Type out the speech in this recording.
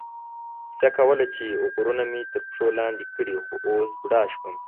کیسه کوله چې غرونه مې تر پښو لاندې کړي، خو اوس بوډا شوم.